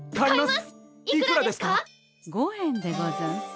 ５円でござんす。